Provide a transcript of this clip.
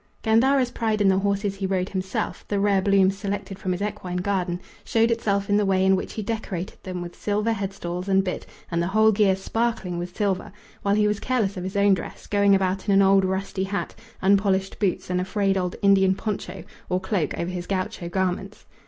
Gandara's pride in the horses he rode himself the rare blooms selected from his equine garden showed itself in the way in which he decorated them with silver headstalls and bit and the whole gear sparkling with silver, while he was careless of his own dress, going about in an old rusty hat, unpolished boots, and a frayed old Indian poncho or cloak over his gaucho garments.